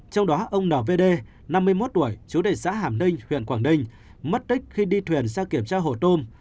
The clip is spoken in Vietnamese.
năm mươi một tuổi chú đề xã hàm ninh huyện quảng ninh mất đích khi đi thuyền sang kiểm tra hồ tôm